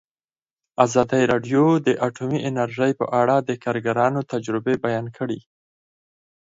ازادي راډیو د اټومي انرژي په اړه د کارګرانو تجربې بیان کړي.